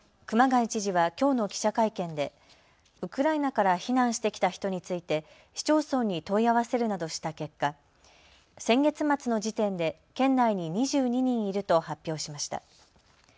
熊谷知事はきょうの記者会見でウクライナから避難してきた人について市町村に問い合わせるなどした結果、先月末の時点で県内に２２人いると発表しました。